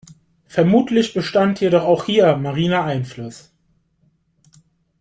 Vermutlich bestand jedoch auch hier mariner Einfluss.